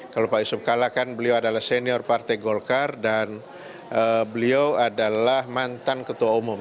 kalau pak yusuf kalla kan beliau adalah senior partai golkar dan beliau adalah mantan ketua umum